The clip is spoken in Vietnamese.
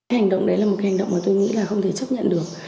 hành động đấy là một hành động mà tôi nghĩ là không thể chấp nhận được